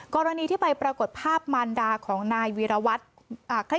กรณีที่ไปปรากฏภาพมันดาของนายวีรวัตร